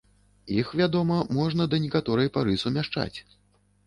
Іх, вядома, можна да некаторай пары сумяшчаць.